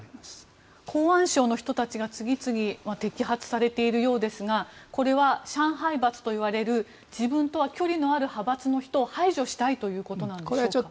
公安省の人たちが次々摘発されているようですがこれは上海閥といわれる自分とは距離のある派閥の人を排除したいということなんでしょうか。